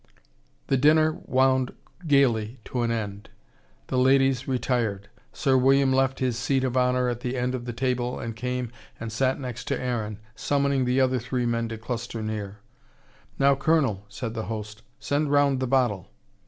The dinner wound gaily to an end. The ladies retired. Sir William left his seat of honour at the end of the table and came and sat next to Aaron, summoning the other three men to cluster near. "Now, Colonel," said the host, "send round the bottle."